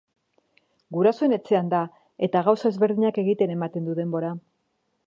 Gurasoen etxean da eta gauza ezberdinak egiten ematen du denbora.